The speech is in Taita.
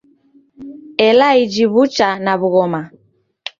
Ela iji w'ucha na w'ughoma